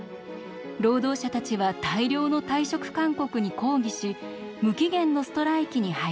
労働者たちは大量の退職勧告に抗議し無期限のストライキに入ります。